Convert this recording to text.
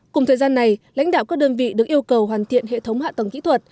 cùng thời gian này lãnh đạo các đơn vị được yêu cầu hoàn thiện hệ thống hạ tầng kỹ thuật